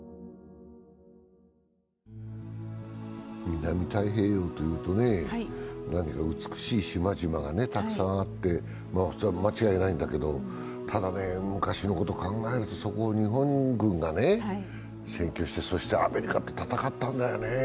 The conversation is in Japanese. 南太平洋というとね、何か美しい島々がたくさんあって、間違いないんだけど、ただ昔のことを考えると、そこを日本軍が占拠して、そしてアメリカと戦ったんだよね。